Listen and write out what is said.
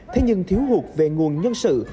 thế nhưng thiếu hụt về nguồn nhân sự